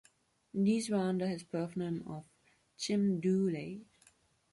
These were under his birth name of Jim Dooley.